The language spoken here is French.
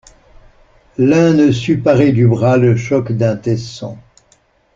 L'un ne sut parer du bras le choc d'un tesson.